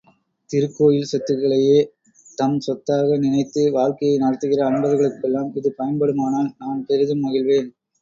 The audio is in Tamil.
திருக்கோயில் சொத்துக்களையே தம் சொத்தாக நினைத்து வாழ்க்கையை நடத்துகிற அன்பர்களுக்கெல்லாம், இது பயன்படுமானால் நான் பெரிதும் மகிழ்வேன்.